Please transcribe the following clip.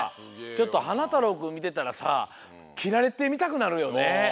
ちょっとはなたろうくんみてたらさきられてみたくなるよね。